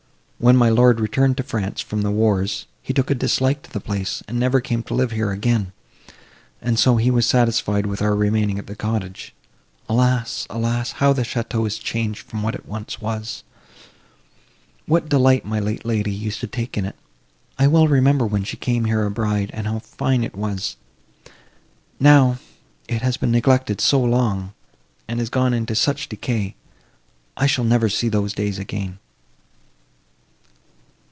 When my lord returned to France from the wars, he took a dislike to the place, and never came to live here again, and so he was satisfied with our remaining at the cottage. Alas—alas! how the château is changed from what it once was! What delight my late lady used to take in it! I well remember when she came here a bride, and how fine it was. Now, it has been neglected so long, and is gone into such decay! I shall never see those days again!"